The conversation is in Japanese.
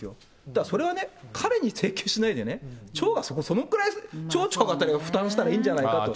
だからそれはね、彼に請求しないでね、町がそのくらい、町長あたりが負担したらいいんじゃないかと。